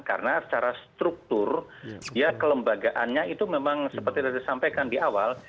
karena secara struktur ya kelembagaannya itu memang seperti tadi disampaikan di awal